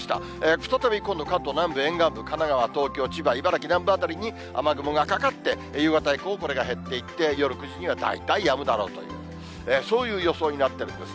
再び今度、関東南部沿岸部、神奈川、東京、千葉、茨城南部辺りに雨雲がかかって、夕方以降、これが減っていって、夜９時には大体やむだろうという、そういう予想になっていますね。